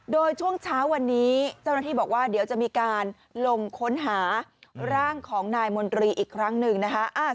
โดยช่วงเช้าวันนี้เจ้าหน้าที่บอกว่าเดี๋ยวจะมีการลงค้นหาร่างของนายมนตรีอีกครั้งหนึ่งนะคะ